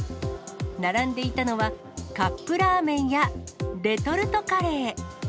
並んでいたのはカップラーメンや、レトルトカレー。